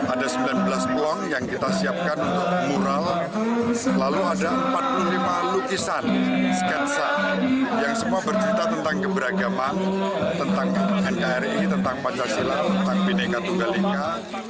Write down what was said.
ada sembilan belas peluang yang kita siapkan untuk mural lalu ada empat puluh lima lukisan sketsa yang semua bercerita tentang keberagaman tentang nkri tentang pancasila tentang bineka tunggal ika